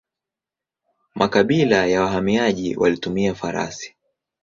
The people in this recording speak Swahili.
Makabila ya wahamiaji walitumia farasi.